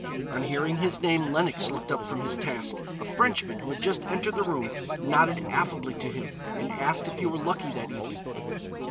On hearing his name, Lenox looked up from his task. A Frenchman who had just entered the room nodded affably to him and asked if he were lucky that evening.